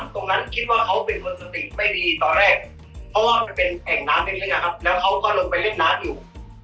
ตรงนั้นคิดว่าเขาเป็นคนสติไม่ดีตอนแรกเพราะว่ามันเป็นแอ่งน้ำตรงนี้นะครับแล้วเขาก็ลงไปเล่นน้ำอยู่